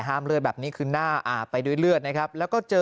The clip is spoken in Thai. เลือดแบบนี้คือหน้าอาบไปด้วยเลือดนะครับแล้วก็เจอ